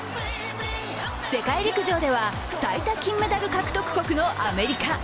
世界陸上では最多金メダル獲得国のアメリカ。